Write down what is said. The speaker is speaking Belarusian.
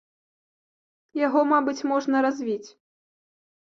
Яго, мабыць, можна развіць.